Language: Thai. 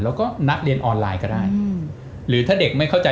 แล้วก็นักเรียนออนไลน์ก็ได้หรือถ้าเด็กไม่เข้าใจ